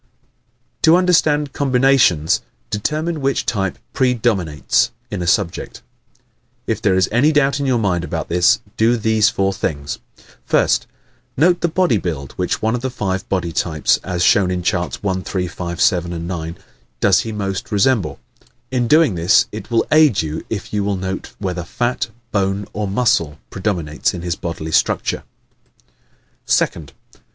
_ To Understand Combinations Determine which type PREDOMINATES in a subject. If there is any doubt in your mind about this do these four things: 1st. Note the body build which one of the five body types (as shown in Charts 1, 3, 5, 7, 9) does he most resemble? (In doing this it will aid you if you will note whether fat, bone or muscle predominates in his bodily structure.) 2nd.